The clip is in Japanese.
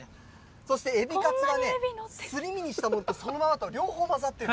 そしてエビカツはすり身にしたものと、そのままと両方混ざってる。